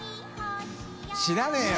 知らねぇよ！